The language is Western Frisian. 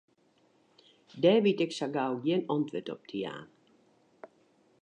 Dêr wit ik sa gau gjin antwurd op te jaan.